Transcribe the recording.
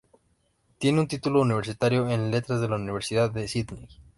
Tiene un título universitario en Letras de la Universidad de Sídney.